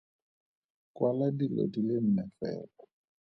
Kwala dilo di le nne fela.